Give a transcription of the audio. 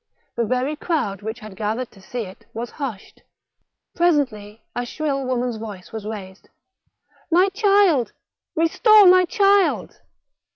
The very crowd which had gathered to see it, was hushed. Presently a shrill woman's voice was raised :—My child ! restore my child